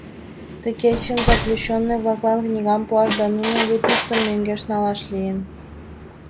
Ты кечын заключённый-влаклан книгам пуаш да нунын лудмыштым мӧҥгеш налаш лийын.